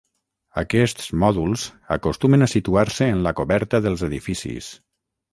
Aquests mòduls acostumen a situar-se en la coberta dels edificis